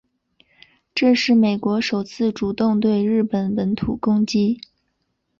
这是美国首次主动对日本本土攻击。